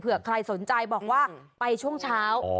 ใครสนใจบอกว่าไปช่วงเช้า